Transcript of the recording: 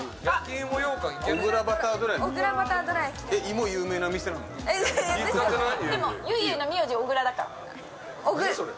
芋有名な店なのに？